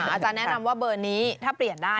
อาจารย์แนะนำว่าเบอร์นี้ถ้าเปลี่ยนได้